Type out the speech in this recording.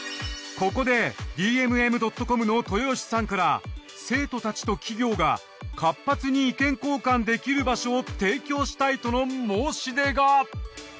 ここでＤＭＭ．ｃｏｍの豊好さんから生徒たちと企業が活発に意見交換できる場所を提供したいとの申し出が。